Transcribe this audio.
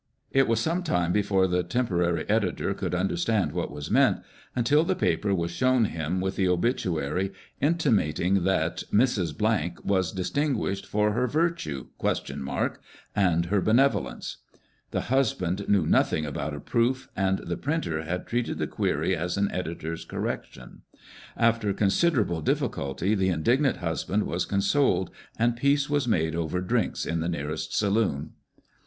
It was some time before the tempo rary editor could understand what was meant, until the paper was shown him with the obituary intimating that " Mrs. was dis tinguished for her virtue (?) and her bene volence." The husband knew nothing about a proof, and the printer had treated the query as an editor's correction. After considerable diffi culty the indignant husband was consoled, and peace was made over " drinks" in the nearest " saloon."